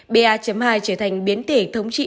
ba hai trở thành biến thể thống trị